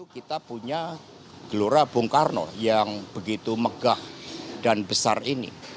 kita punya gelora bung karno yang begitu megah dan besar ini